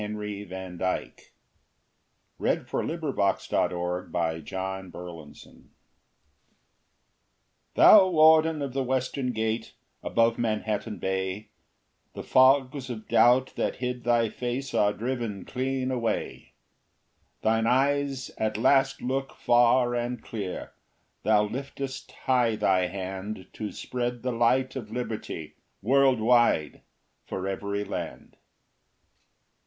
London Times, February 12, 1917. "LIBERTY ENLIGHTENING THE WORLD" Thou warden of the western gate, above Manhattan Bay, The fogs of doubt that hid thy face are driven clean away: Thine eyes at last look far and clear, thou liftest high thy hand To spread the light of liberty world wide for every land.